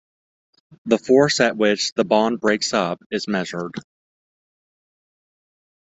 The force at which the bond breaks up is measured.